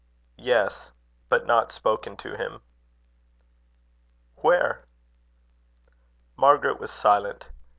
"Yes; but not spoken to him." "Where?" Margaret was silent.